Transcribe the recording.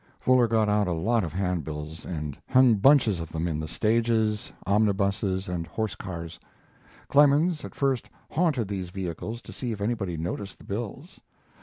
Fuller got out a lot of handbills and hung bunches of them in the stages, omnibuses, and horse cars. Clemens at first haunted these vehicles to see if anybody noticed the bills.